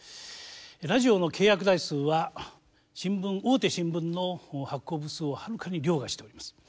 ラジオの契約台数は大手新聞の発行部数をはるかにりょうがしております。